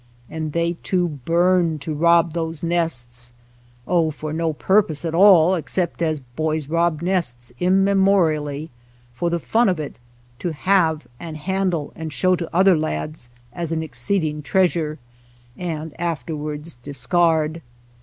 And they two burned to rob those nests. Oh, for no purpose at all except as boys rob nests immemorially, for the fun of it, to have and handle and show to other lads as an exceeding treasure, and after 92 SHOSHONE LAND wards discard.